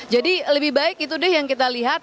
jadi lebih baik itu deh yang kita lihat